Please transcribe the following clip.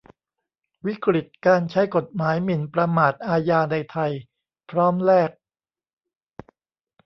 วิกฤตการใช้กฎหมายหมิ่นประมาทอาญาในไทย พร้อมแลก